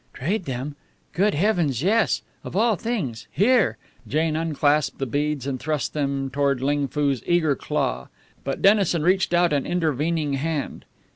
"Trade them? Good heavens, yes! Of all things! Here!" Jane unclasped the beads and thrust them toward Ling Foo's eager claw. But Dennison reached out an intervening hand.